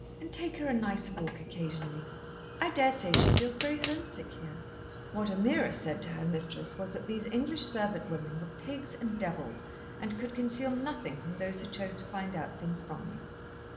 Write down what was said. "And take her a nice walk occasionally. I daresay she feels very homesick here." What Ameerah said to her mistress was that these English servant women were pigs and devils, and could conceal nothing from those who chose to find out things from them.